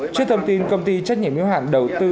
trước thông tin công ty trách nhiệm hiếu hạn đầu tư